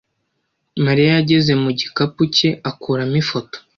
Mariya yageze mu gikapu cye akuramo ifoto.